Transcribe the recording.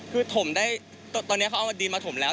คือถมได้ตอนนี้เขาเอาดีมาถมแล้ว